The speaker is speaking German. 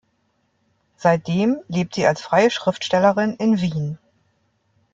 Seitdem lebt sie als freie Schriftstellerin in Wien.